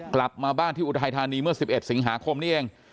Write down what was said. กลับมาบ้านที่อุทัยธานีเมื่อ๑๑สิงหาคมนี้เอง